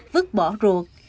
vứt bỏ ruột